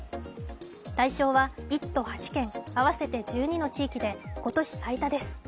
対象は１都８県、合わせて１２の地域で今年最多です。